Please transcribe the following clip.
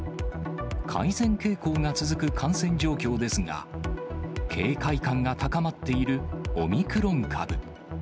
改善傾向が続く感染状況ですが、警戒感が高まっているオミクロン株。